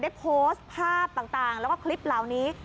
ได้โพสต์ภาพต่างแล้วก็คลิปเหล่านี้